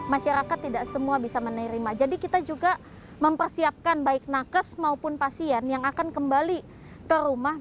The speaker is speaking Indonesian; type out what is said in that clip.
masyarakat tidak semua bisa menerima jadi kita juga mempersiapkan baik nakes maupun pasien yang akan kembali ke rumah